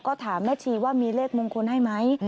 ก็ถามแม่ชีว่ามีเลขมงคลให้ไหม